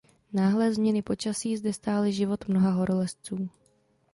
Náhlé změny počasí zde stály život mnoha horolezců.